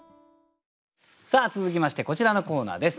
さあ続きましてこちらのコーナーです。